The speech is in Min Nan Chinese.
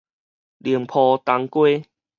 寧波東街